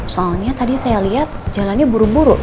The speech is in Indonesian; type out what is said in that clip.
soalnya tadi saya lihat jalannya buru buru